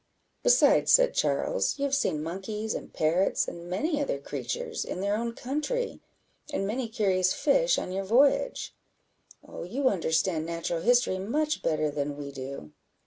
"Besides," said Charles, "you have seen monkeys and parrots, and many other creatures, in their own country, and many curious fish on your voyage. Oh, you understand natural history much better than we do."